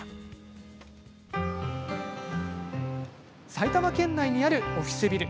埼玉県内にあるオフィスビル。